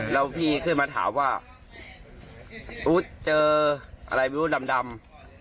แล้วพี่ขึ้นมาถามว่าอู๊ดเจออะไรไม่รู้ดำ